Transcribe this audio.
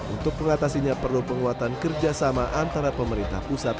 untuk mengatasinya perlu penguatan kerjasama antara pemerintah pusat